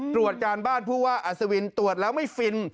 ตรวจการบ้านผู้ว่าอัศวินตรวจแล้วไม่ฟิน